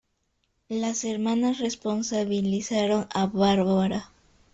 Las hermanas responsabilizaron a Barbora.